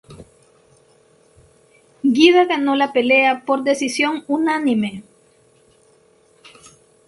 Guida ganó la pelea por decisión unánime.